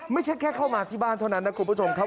ไม่ใช่แค่เข้ามาที่บ้านเท่านั้นนะคุณผู้ชมครับ